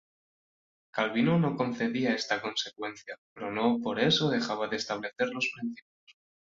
Calvino no concedía esta consecuencia, pero no por eso dejaba de establecer los principios.